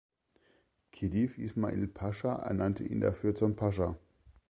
Khedive Ismail Pascha ernannte ihn dafür zum Pascha.